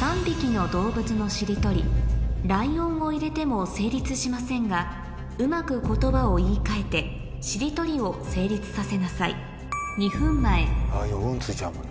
３匹の動物のしりとり「ライオン」を入れても成立しませんがうまく言葉を言い換えてしりとりを成立させなさい２分前ライオン「ン」付いちゃうもんね。